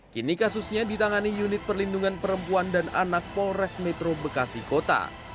kini kasusnya ditangani unit perlindungan perempuan dan anak polres metro bekasi kota